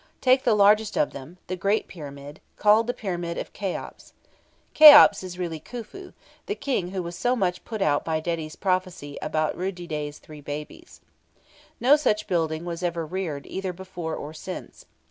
Take the largest of them, the Great Pyramid, called the Pyramid of Cheops. Cheops is really Khufu, the King who was so much put out by Dedi's prophecy about Rud didet's three babies. No such building was ever reared either before or since.